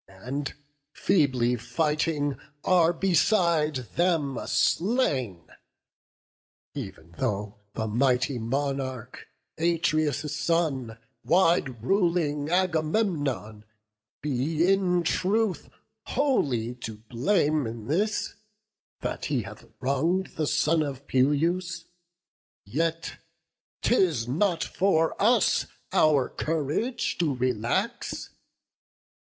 And, feebly fighting, are beside them slain. E'en though the mighty monarch, Atreus' son, Wide ruling Agamemnon, be in truth Wholly to blame in this, that he hath wrong'd The son of Peleus, yet 'tis not for us Our courage to relax.